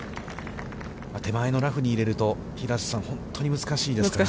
手前のラフに入れると、平瀬さん、本当に難しいですね。